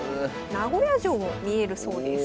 名古屋城も見えるそうです。